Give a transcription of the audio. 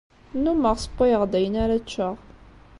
Nnumeɣ ssewwayeɣ-d ayen ara ččeɣ.